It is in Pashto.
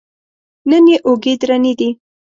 نن یې اوږې درنې دي.